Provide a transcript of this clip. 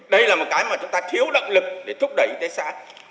đây là một cái mà chúng ta thiếu động lực để thúc đẩy kinh tế xã